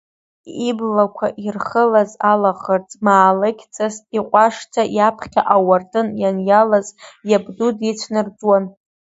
Иблақәа ирхылаз алаӷырӡ маалықьҵас иҟәашӡа иаԥхьа ауардын ианиалаз иабду дицәнарӡуан.